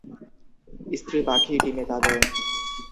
স্ত্রী পাখিই ডিমে তা দেয়।